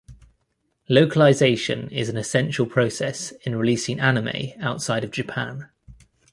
Localisation is an essential process in releasing anime outside of Japan.